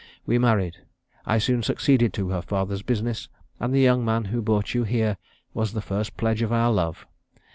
We married. I soon succeeded to her father's business, and the young man who brought you here was the first pledge of our love.